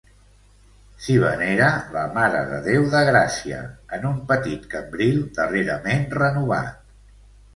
S'hi venera la Mare de Déu de Gràcia, en un petit cambril darrerament renovat.